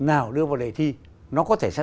nào đưa vào đề thi nó có thể sẽ